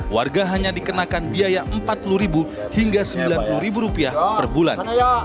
warga hanya dikenakan biaya empat puluh ribu hingga sembilan puluh ribu rupiah per bulan